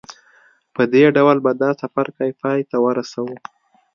په دې ډول به دا څپرکی پای ته ورسوو.